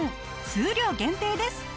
数量限定です！